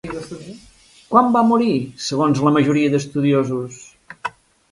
Quan va morir segons la majoria d'estudiosos?